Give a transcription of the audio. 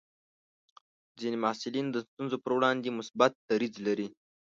ځینې محصلین د ستونزو پر وړاندې مثبت دریځ لري.